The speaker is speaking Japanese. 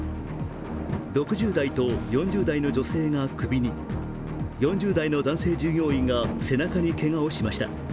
６０代と４０代の女性が首に４０代の男性従業員が背中にけがをしました。